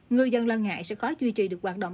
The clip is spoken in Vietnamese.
ngư dân lo ngại sẽ khó duy trì được hoạt động